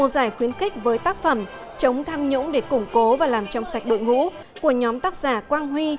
một giải khuyến khích với tác phẩm chống tham nhũng để củng cố và làm trong sạch đội ngũ của nhóm tác giả quang huy